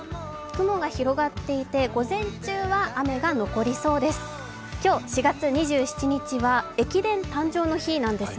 雲が広がっていて、午前中は雨が残りそうです。